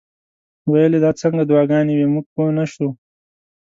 ویل یې دا څنګه دعاګانې وې موږ پوه نه شو.